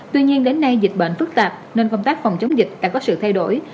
tuy nhiên đến nay dịch bệnh phức tạp nên công tác phòng chống dịch đã có sự thay đổi